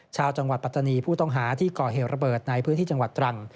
ชาวจังหวัดปัตตานีผู้ต้องหาที่ก่อเหตุระเบิดในพื้นที่จังหวัดตรัง